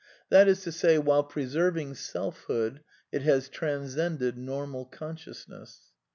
That is to say, while preserving selfhood, it has trans cended normal consciousness.